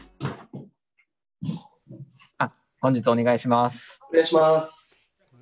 本日はお願いします。